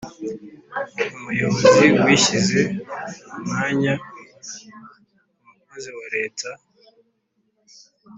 umuyobozi washyize mu mwanya umukozi wa leta,